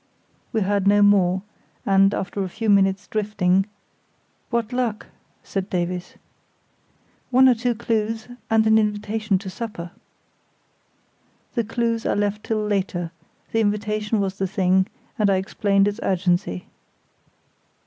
We heard no more, and, after a few minutes' drifting, "What luck?" said Davies. "One or two clues, and an invitation to supper." The clues I left till later; the invitation was the thing, and I explained its urgency.